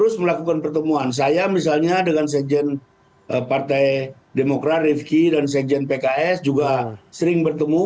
saya misalnya dengan sekjen partai demokrat rifki dan sekjen pks juga sering bertemu